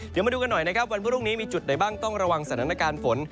เดี๋ยวมาดูกันหน่อยนะครับวันพรุ่งนี้มีจุดไหนบ้างต้องระวังสถานการณ์ฝน